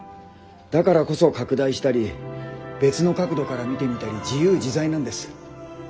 だからこそ拡大したり別の角度から見てみたり自由自在なんです。